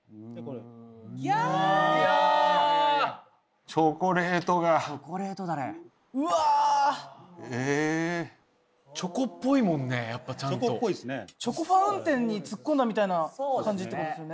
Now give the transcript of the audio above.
ギャーチョコレートがうわチョコっぽいもんねやっぱちゃんとチョコファウンテンに突っ込んだみたいな感じってことですよね